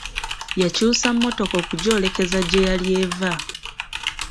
Yakyusa mmotoka okugyolekeza gye yali eva.